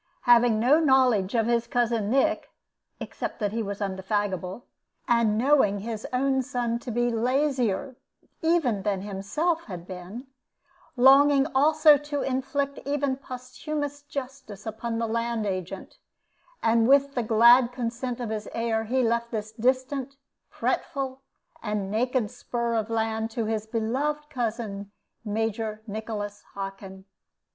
Having no knowledge of his cousin Nick (except that he was indefatigable), and knowing his own son to be lazier even than himself had been, longing also to inflict even posthumous justice upon the land agent, with the glad consent of his heir he left this distant, fretful, and naked spur of land to his beloved cousin Major Nicholas Hockin.